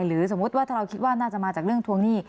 สมมุติว่าถ้าเราคิดว่าน่าจะมาจากเรื่องทวงหนี้